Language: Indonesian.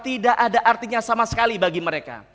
tidak ada artinya sama sekali bagi mereka